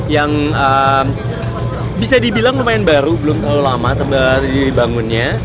yang bisa dibilang lumayan baru belum terlalu lama tempat dibangunnya